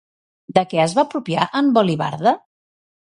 De què es va apropiar en Volivarda?